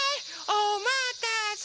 おまたせ！